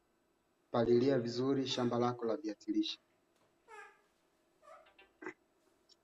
Kundi la wanamgambo limelaumiwa kwa maelfu ya vifo katika mikoa ya Kivu Kaskazini na Ituri, na kwa mashambulizi ya mabomu mwaka jana nchini Uganda